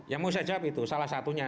yang mau saya jawab itu salah satunya